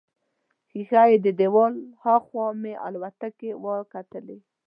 د ښیښه یي دیوال هاخوا مې الوتکې وکتلې.